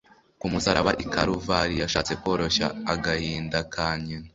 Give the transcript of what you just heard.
Ku musaraba i Karuvari yashatse koroshya agahinda ka Nyina